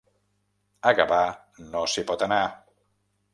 A Gavà no s'hi pot anar.